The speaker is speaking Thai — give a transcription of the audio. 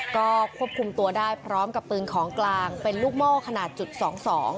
ก็ควบคุมตัวได้พร้อมกับปืนของกลางเป็นลูกโม่ขนาดจุดสองสอง